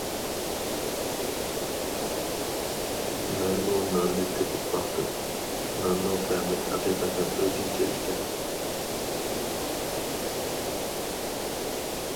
مەنمۇ ناننى تېتىپ باقتىم، ناننىڭ تەمى ھەقىقەتەن ئۆزگىچە ئىكەن.